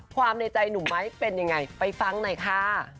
ในใจหนุ่มไม้เป็นยังไงไปฟังหน่อยค่ะ